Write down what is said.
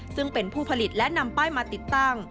ซึ่งเป็นผู้ผลิตและนำป้ายมาติดตั้ง